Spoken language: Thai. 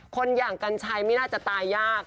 คนอย่างกัญชัยไม่น่าจะตายยาก